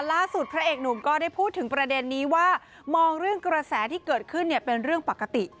พระเอกหนุ่มก็ได้พูดถึงประเด็นนี้ว่ามองเรื่องกระแสที่เกิดขึ้นเนี่ยเป็นเรื่องปกติ